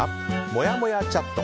もやもやチャット。